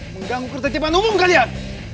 mengganggu ketertiban umum kalian